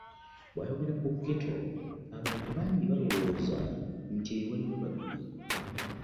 Bw'ayogera ku ghetto, abantu bangi balowooza nti eyo waliyo ababbi